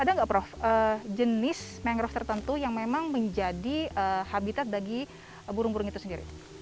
ada nggak prof jenis mangrove tertentu yang memang menjadi habitat bagi burung burung itu sendiri